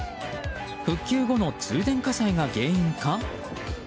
復旧後の通電火災が原因か？